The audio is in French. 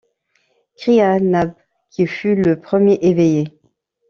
cria Nab, qui fut le premier éveillé.